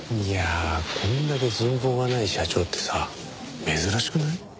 いやあこれだけ人望がない社長ってさ珍しくない？